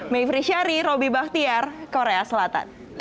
mayfree syari robby bakhtiar korea selatan